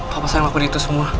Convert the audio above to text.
kakak saya ngelakuin itu semua